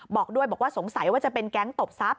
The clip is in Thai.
บอกด้วยบอกว่าสงสัยว่าจะเป็นแก๊งตบทรัพย